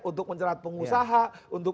untuk menjerat pengusaha untuk